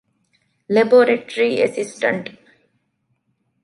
ލެބޯރެޓަރީ އެސިސްޓަންޓް